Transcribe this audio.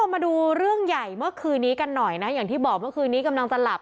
มาดูเรื่องใหญ่เมื่อคืนนี้กันหน่อยนะอย่างที่บอกเมื่อคืนนี้กำลังจะหลับ